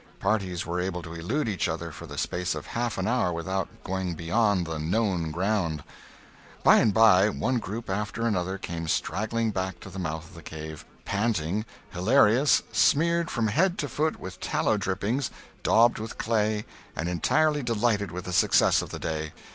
Parties were able to elude each other for the space of half an hour without going beyond the "known" ground. By and by, one group after another came straggling back to the mouth of the cave, panting, hilarious, smeared from head to foot with tallow drippings, daubed with clay, and entirely delighted with the success of the day.